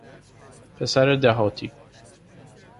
پسر دهاتی